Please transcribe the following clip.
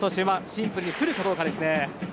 シンプルに来るかどうかですね。